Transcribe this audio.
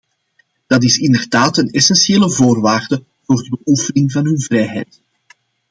Dat is inderdaad een essentiële voorwaarde voor de beoefening van hun vrijheid.